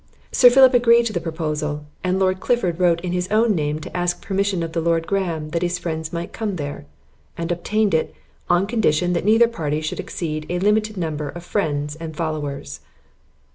Sir Philip agreed to the proposal; and Lord Clifford wrote in his own name to ask permission of the Lord Graham, that his friends might come there; and obtained it, on condition that neither party should exceed a limited number of friends and followers.